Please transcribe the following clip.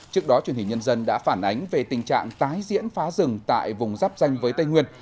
trước đó truyền hình nhân dân đã phản ánh về tình trạng tái diễn phá rừng tại vùng giáp danh với tây nguyên